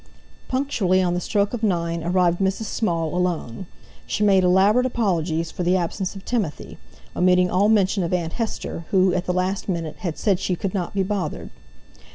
Punctually on the stroke of nine arrived Mrs. Small alone. She made elaborate apologies for the absence of Timothy, omitting all mention of Aunt Hester, who, at the last minute, had said she could not be bothered.